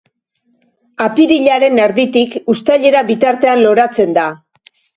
Apirilaren erditik uztailera bitartean loratzen da.